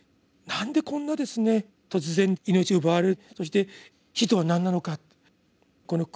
何でこんな突然命を奪われるそして死とは何なのかと。